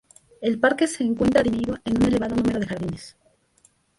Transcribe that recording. El parque se encuentra dividido en un elevado número de jardines.